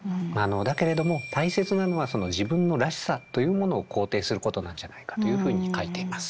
だけれども大切なのは自分のらしさというものを肯定することなんじゃないかというふうに書いています。